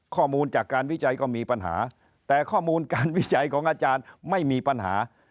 ข้อมูลจากการวิจัยก็มีปัญหาแต่ข้อมูลการวิจัยของอาจารย์ไม่มีปัญหา